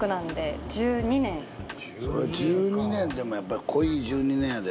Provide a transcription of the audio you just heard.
１２年でもやっぱ濃い１２年やで。